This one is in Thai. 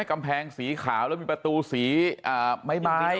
กำแพงสีขาวแล้วมีประตูสีไม้